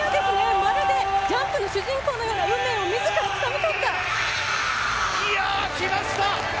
まるで「ジャンプ」の主人公のような運命を自らつかみ取った。